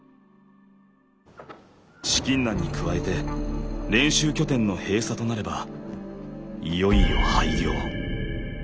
資金難に加えて練習拠点の閉鎖となればいよいよ廃業。